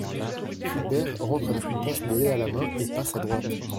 Fulbert rentre avec une tasse de lait à la main et passe à droite.